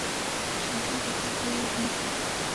挑战不会无由停止